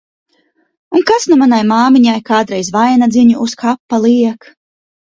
Un kas nu manai māmiņai kādreiz vainadziņu uz kapa liek!